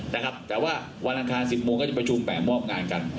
นะครับแต่ว่าวันอังคาร๑๐โมงก็จะประชุมแบบมอบงานกัน